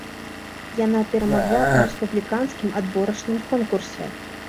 Яна перамагла ў рэспубліканскім адборачным конкурсе.